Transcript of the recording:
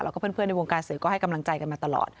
แล้วก็เพื่อนในวงการสื่อก็ให้กำลังใจกันมาตลอด